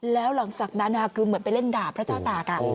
แล้วหลังจากนั้นคือเหมือนไปเล่นด่าพระเจ้าตาก